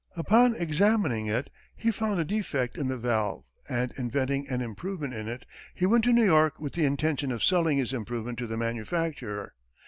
Upon examining it, he found a defect in the valve, and inventing an improvement in it, he went to New York with the intention of selling his improvement to the manufacturer.